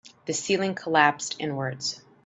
The ceiling collapsed inwards.